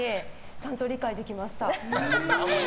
ちゃんと理解できました。